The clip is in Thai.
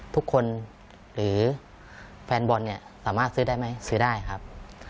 ทุกคนหรือแฟนบอลเนี่ยสามารถซื้อได้ไหมซื้อได้ครับ